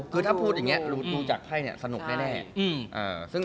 คือถ้าพูดอย่างนี้ดูจากไพ่เนี่ยสนุกแน่